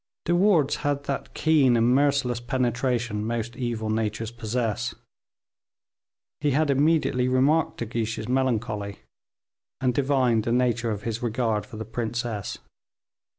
De Wardes had that keen and merciless penetration most evil natures possess; he had immediately remarked De Guiche's melancholy, and divined the nature of his regard for the princess.